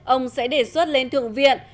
ông sẽ đề xuất lên thượng viện